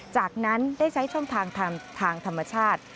จากนั้นได้ใช้ช่องทางทางธรรมชาติ